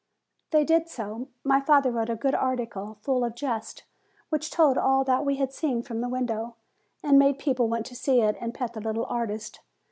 They did so. My father wrote a good article, full of jests, which told all that we had seen from the window, and made people want to see and pet the little artist.